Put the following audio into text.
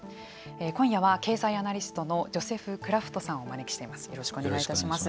今夜は経済アナリストのジョセフ・クラフトさんをお招きしています。